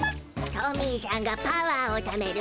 トミーしゃんがパワーをためる